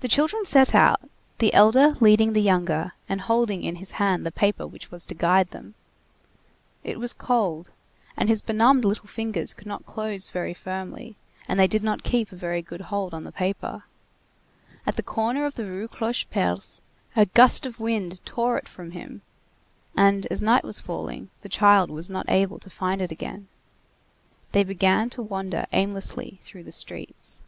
The children set out, the elder leading the younger, and holding in his hand the paper which was to guide them. It was cold, and his benumbed little fingers could not close very firmly, and they did not keep a very good hold on the paper. At the corner of the Rue Clocheperce, a gust of wind tore it from him, and as night was falling, the child was not able to find it again. They began to wander aimlessly through the streets.